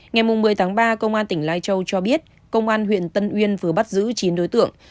ngày một mươi tháng ba công an tỉnh lai châu cho biết công an huyện tân uyên vừa bắt giữ chín đối tượng